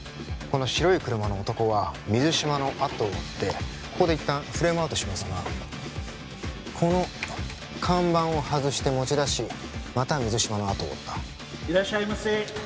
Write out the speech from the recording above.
この白い車の男は水島のあとを追ってここでいったんフレームアウトしますがこの看板を外して持ち出しまた水島のあとを追ったいらっしゃいませ